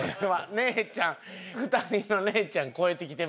姉ちゃん２人の姉ちゃん超えてきてます。